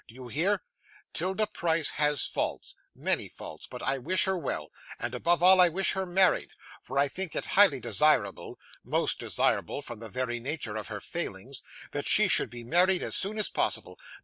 Do you hear? 'Tilda Price has faults many faults but I wish her well, and above all I wish her married; for I think it highly desirable most desirable from the very nature of her failings that she should be married as soon as possible.